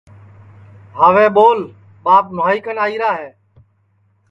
ہاوے ٻول ٻاپ نواہئی کن آئیرا ہے